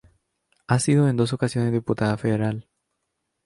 Ha sido en dos ocasiones diputada federal.